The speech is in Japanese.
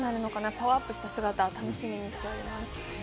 パワーアップした姿、楽しみにしています。